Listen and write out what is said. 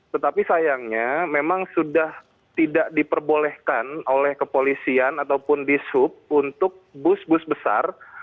tetapi sayangnya memang sudah tidak diperbolehkan oleh kepolisian ataupun di sub untuk bus bus besar